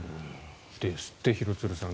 ですって、廣津留さん。